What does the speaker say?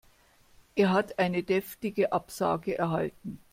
Er hat eine deftige Absage erhalten.